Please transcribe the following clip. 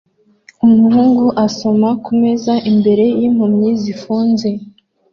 Umuhungu asoma kumeza imbere yimpumyi zifunze